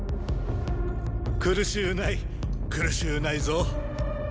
苦しゅうない苦しゅうないぞ！